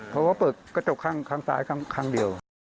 เขาก็เปิดกระจกข้างซ้ายครั้งเดียว